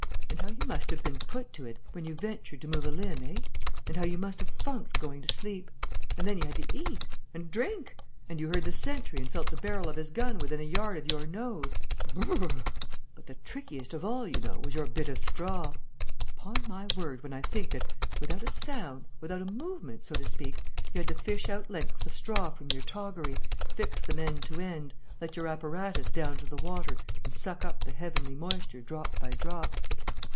And how you must have been put to it, when you ventured to move a limb, eh? And how you must have funked going to sleep!... And then you had to eat! And drink! And you heard the sentry and felt the barrel of his gun within a yard of your nose! Brrrr!... But the trickiest of all, you know, was your bit of straw!... Upon my word, when I think that, without a sound, without a movement so to speak, you had to fish out lengths of straw from your toggery, fix them end to end, let your apparatus down to the water and suck up the heavenly moisture drop by drop....